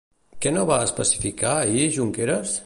Què no va especificar ahir Junqueras?